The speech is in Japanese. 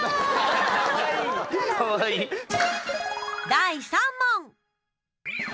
第３問。